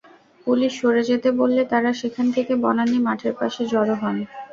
Police সরে যেতে বললে তাঁরা সেখান থেকে বনানী মাঠের পাশে জড়ো হন।